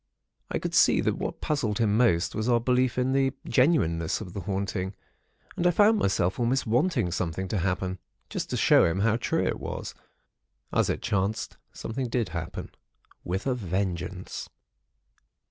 "I could see that what puzzled him most was our belief in the genuineness of the haunting; and I found myself almost wanting something to happen, just to show him how true it was. As it chanced, something did happen, with a vengeance.